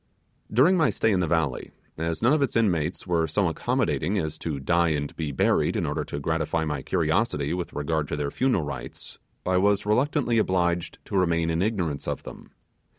During my stay in the valley, as none of its inmates were so accommodating as to die and be buried in order to gratify my curiosity with regard to their funeral rites, I was reluctantly obliged to remain in ignorance of them.